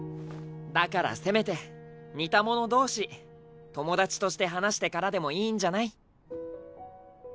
だからせめて似たもの同士友達として話してからでもいいんじゃない？